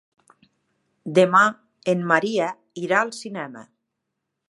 Demà en Maria irà al cinema.